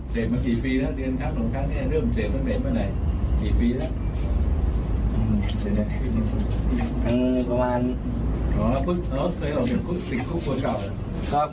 เศษมากี่ฟรีแล้วเยือนครับ